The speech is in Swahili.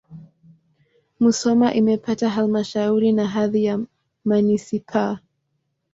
Musoma imepata halmashauri na hadhi ya manisipaa.